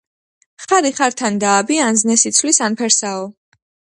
ხარი ხართად დააბი ან ზნეს იცვლის, ან ფერსაო